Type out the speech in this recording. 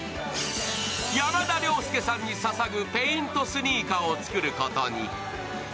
山田涼介さんにささぐペイントスニーカーを作ることに。